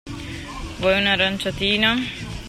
Vuoi un'aranciatina?